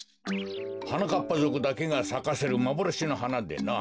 はなかっぱぞくだけがさかせるまぼろしのはなでな。